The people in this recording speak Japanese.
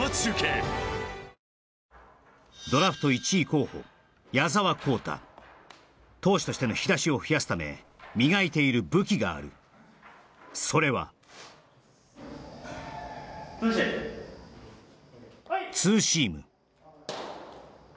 ピンポーン投手としての引き出しを増やすため磨いている武器があるそれはツーシーム・